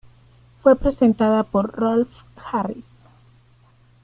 Fue presentada por Rolf Harris.